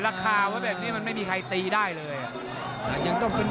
ราคานะแบบนี้ไม่มีใครตีได้เลย